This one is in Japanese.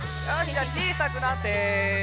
じゃあちいさくなって。